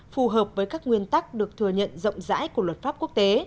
phù hợp với các nguyên tắc được thừa nhận rộng rãi của luật pháp quốc tế